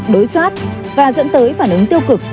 đối soát và dẫn tới phản ứng tiêu cực